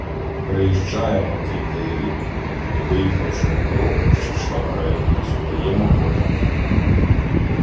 Переїжджаємо кілька ярів і, виїхавши на дорогу, що йшла краєм лісу, даємо коням ходу.